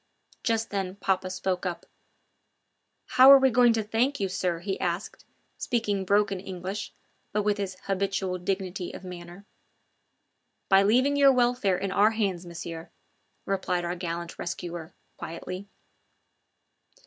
Just then papa spoke up: "How are we going to thank you, sir?" he asked, speaking broken English, but with his habitual dignity of manner. "By leaving your welfare in our hands, Monsieur," replied our gallant rescuer quietly.